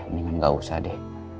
mendingan gak usah deh